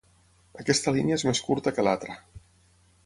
Aquesta línia és més curta que l'altra.